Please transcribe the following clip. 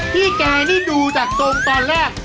พี่แกนี่ดูจากตรงตอนแรก